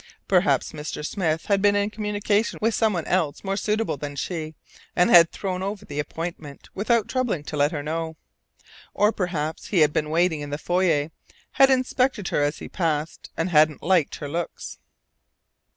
Perhaps Mr. Smith had been in communication with someone else more suitable than she, and had thrown over the appointment without troubling to let her know. Or perhaps he had been waiting in the foyer, had inspected her as she passed, and hadn't liked her looks.